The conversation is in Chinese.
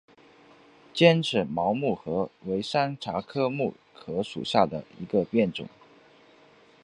尖齿毛木荷为山茶科木荷属下的一个变种。